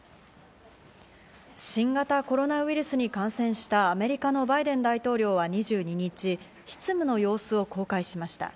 新型コロナウイルスに感染したアメリカのバイデン大統領は２２日、執務の様子を公開しました。